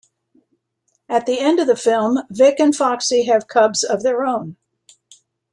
At the end of the film, Vic and Foxy have cubs of their own.